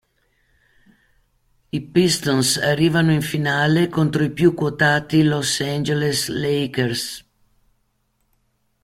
I Pistons arrivano in finale contro i più quotati Los Angeles Lakers.